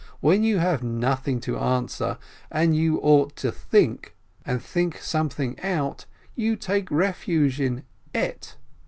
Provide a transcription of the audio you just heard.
When you have nothing to answer, and you ought to think, and think something out, you take refuge in 'ett!'